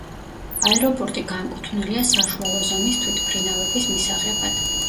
აეროპორტი განკუთვნილია საშუალო ზომის თვითმფრინავების მისაღებად.